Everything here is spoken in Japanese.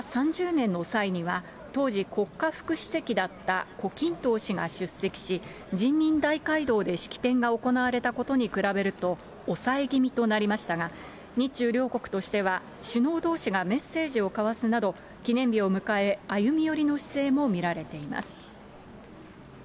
３０年の際には、当時、国家副主席だった胡錦濤氏が出席し、人民大会堂で式典が行われたことに比べると、抑え気味となりましたが、日中両国としては、首脳どうしがメッセージを交わすなど、記念日を迎え、歩み寄りの姿勢も見られています。